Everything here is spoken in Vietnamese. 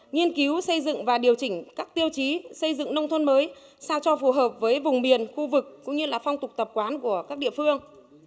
nghiên cứu xây dựng và điều chỉnh các tiêu chí xây dựng nông thôn mới sao cho phù hợp với vùng miền khu vực cũng như là phong tục tập quán của các địa phương